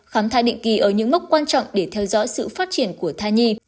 khám thai định kỳ ở những mốc quan trọng để theo dõi sự phát triển của thai nhi